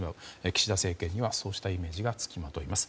岸田政権には、そうしたイメージが付きまといます。